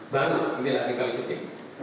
baru inilah kita ikuti